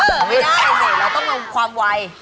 ไม่ได้สิเราต้องมองความไหว